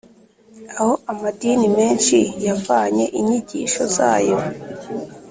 aho amadini menshi yavanye inyigisho zayo.